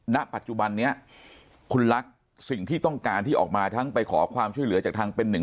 ณปัจจุบันนี้คุณรักสิ่งที่ต้องการที่ออกมาทั้งไปขอความช่วยเหลือจากทางเป็นหนึ่ง